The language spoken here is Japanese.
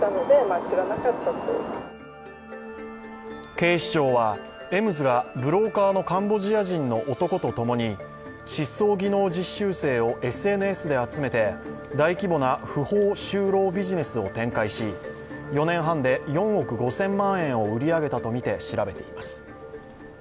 警視庁はエムズがブローカーのカンボジア人の男とともに、失踪技能実習生をＳＮＳで集めて大規模な不法就労ビジネスを展開し４年半で４億５０００万円を売り上げたとみて調べています。